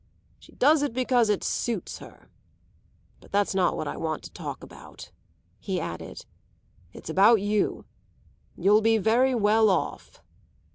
"She does it because it suits her. But that's not what I want to talk about," he added. "It's about you. You'll be very well off."